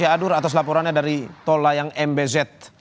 atas laporannya dari tol layang mbz